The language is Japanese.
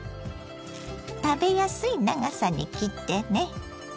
食べやすい長さに切ってね。